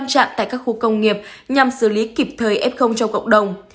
hai mươi năm trạm tại các khu công nghiệp nhằm xử lý kịp thời f trong cộng đồng